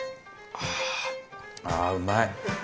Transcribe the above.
ああーうまい！